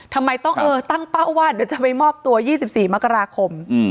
ทำไมต้องเออตั้งเป้าว่าเดี๋ยวจะไปมอบตัว๒๔มกราคม